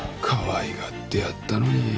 かわいがってやったのに。